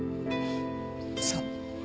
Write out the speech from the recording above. そう。